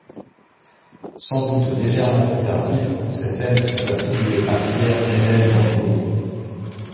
Sans doute légèrement plus tardives, ces scènes sont attribuées à Pierre Hemmel d'Andlau.